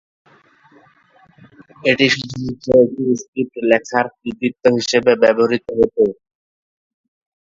এটি শুধুমাত্র একটি স্ক্রিপ্ট লেখার কৃতিত্ব হিসাবে ব্যবহৃত হত।